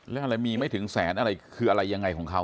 อะไรมีไม่ถึงแสนอะไรคืออะไรยังไงของเขา